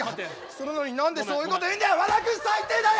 それなのに何でそういうこと言うんだよ和田君最低だよ！